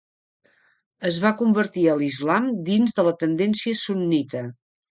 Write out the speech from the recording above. Es va convertir a l'islam dins de la tendència sunnita.